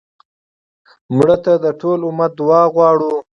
مړه ته د ټول امت دعا غواړو